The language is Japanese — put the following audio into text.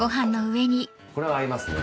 これは合いますね。